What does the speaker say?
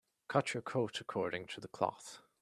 Cut your coat according to the cloth.